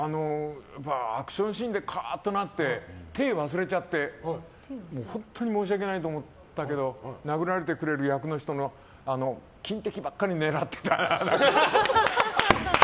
アクションシーンでカーッとなって手を忘れちゃって本当に申し訳ないと思ったけど殴られてくれる役の人の金的ばっかり狙ってた。